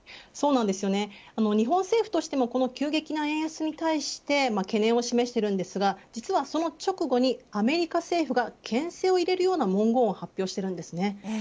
日本政府としてもこの急激な円安に対して懸念を示していますがその直後にアメリカ政府がけん制を入れるような文言を発表しているんです。